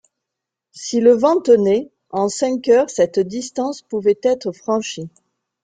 Si le vent tenait, en cinq heures cette distance pouvait être franchie.